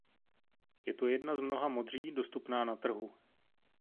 Je to jedna z mnoha modří dostupná na trhu.